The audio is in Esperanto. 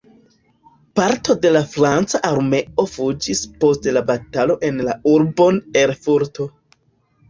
Parto de la franca armeo fuĝis post la batalo en la urbon Erfurto.